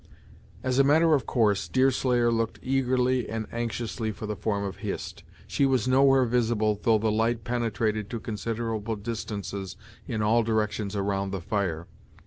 As a matter of course, Deerslayer looked eagerly and anxiously for the form of Hist. She was nowhere visible though the light penetrated to considerable distances in all directions around the fire.